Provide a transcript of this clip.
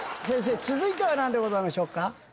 先生続いては何でございましょうか？